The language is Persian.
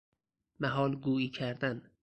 محال گوئی کردن